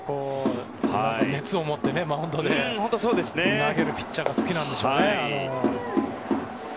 熱を持ってマウンドで投げるピッチャーが好きなんでしょうね。